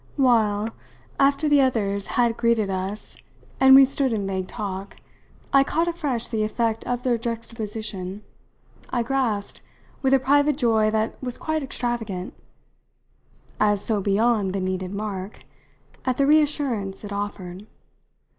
While, after the others had greeted us and we stood in vague talk, I caught afresh the effect of their juxtaposition, I grasped, with a private joy that was quite extravagant as so beyond the needed mark at the reassurance it offered.